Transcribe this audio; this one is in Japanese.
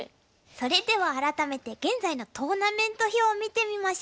それでは改めて現在のトーナメント表を見てみましょう。